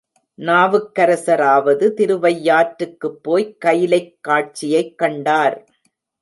நாவுக்கரசராவது திருவையாற்றுக்குப் போய்க் கைலைக் காட்சியைக் கண்டார்.